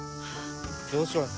どうします？